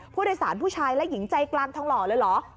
ผู้โดยสารผู้ชายและหญิงใจกลางทองหล่อเลยเหรอ